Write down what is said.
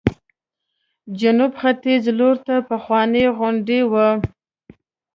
جنوب ختیځ لورته پخوانۍ غونډۍ وه.